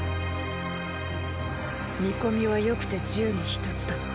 見込みはよくて十に一つだぞ。